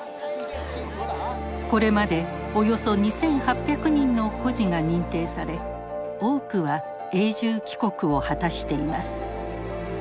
これまでおよそ２，８００人の孤児が認定され多くは永住帰国を果たしています。